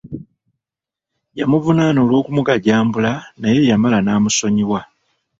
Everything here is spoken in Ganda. Yamuvunaana olw'okumugajambula naye yamala n'amusonyiwa.